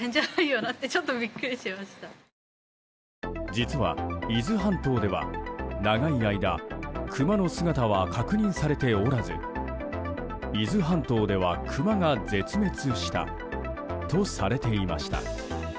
実は、伊豆半島では長い間クマの姿は確認されておらず伊豆半島では、クマが絶滅したとされていました。